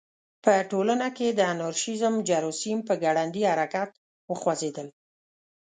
په ټولنه کې د انارشیزم جراثیم په ګړندي حرکت وخوځېدل.